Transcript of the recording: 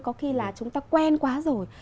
có khi là chúng ta quen quá rồi